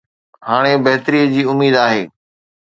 هاڻي بهتري جي اميد آهي.